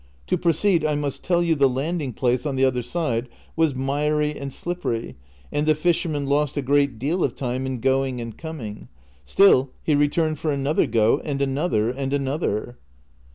To proceed, I must tell you the landing place on the other side was miry and slippery, and the fisherman lost a great deal of time in going and coming ; still he returned for another goat, and another, and another."